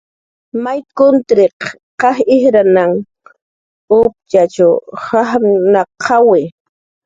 May kutriq q'aj ijrnan uptxach jajptnaqawi